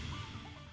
terima kasih pak dedy